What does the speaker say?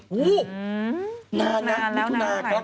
โอ้โฮนานแล้วนานแล้วหลายเดือนแล้ว